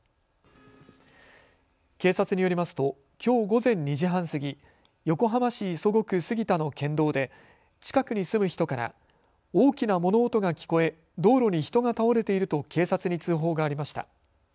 警察によりますときょう午前２時半過ぎ横浜市磯子区杉田の県道で近くに住む人から大きな物音が聞こえ道路に人が倒れていると警察に通報がありました。